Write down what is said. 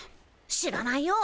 知らないよ。